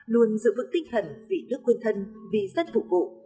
luôn giữ vững tinh thần vì đất quân thân vì dân phục vụ